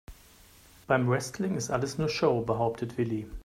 Beim Wrestling ist alles nur Show, behauptet Willi.